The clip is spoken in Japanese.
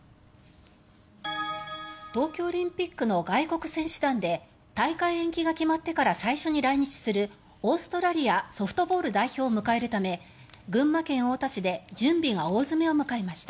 東京オリンピックの外国選手団で大会延期が決まってから最初に来日するオーストラリアソフトボール代表を迎えるため群馬県太田市で準備が大詰めを迎えました。